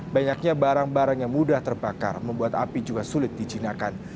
banyaknya barang barang yang mudah terbakar membuat api juga sulit dijinakan